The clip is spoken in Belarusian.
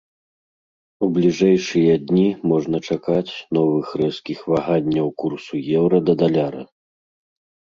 У бліжэйшыя дні можна чакаць новых рэзкіх ваганняў курсу еўра да даляра.